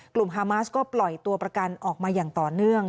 ฮามาสก็ปล่อยตัวประกันออกมาอย่างต่อเนื่อง